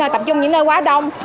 tập trung những nơi quá đông